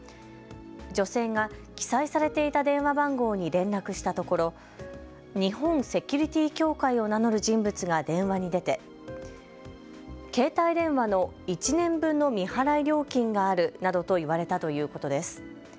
女性が記載されていた電話番号に連絡したところ、日本セキュリティ協会を名乗る人物が電話に出て、携帯電話の１年分の未払い料金があるなどと言われたということです。